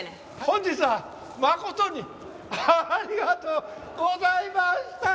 本日はまことにありがとうございました！